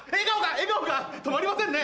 笑顔が止まりませんね！